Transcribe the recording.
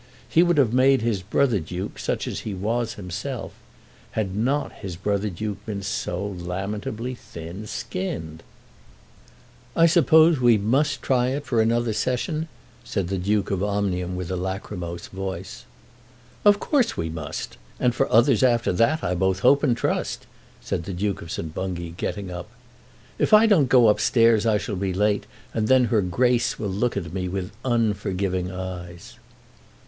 He would have made his brother Duke such as he was himself, had not his brother Duke been so lamentably thin skinned. "I suppose we must try it for another Session?" said the Duke of Omnium with a lachrymose voice. "Of course we must, and for others after that, I both hope and trust," said the Duke of St. Bungay, getting up. "If I don't go up stairs I shall be late, and then her Grace will look at me with unforgiving eyes."